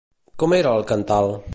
Com era el cantal?